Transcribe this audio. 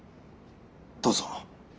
どうぞ。